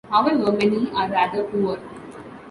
However, many are rather poor.